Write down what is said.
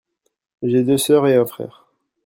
J'ai deux sœurs et un frère.